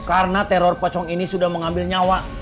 karena teror pocong ini sudah mengambil nyawa